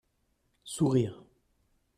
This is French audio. Sourires.